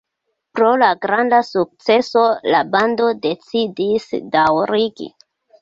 Pro la granda sukceso la bando decidis daŭrigi.